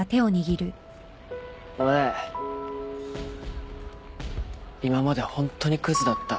俺今までホントにクズだった。